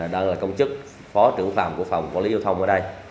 đang là công chức phó trưởng phòng của phòng quản lý giao thông ở đây